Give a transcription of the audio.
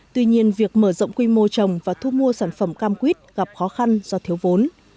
tuy nhiên việc mở rộng quy mô trồng và thu mua sản phẩm cam quýt gặp khó khăn do thiếu vốn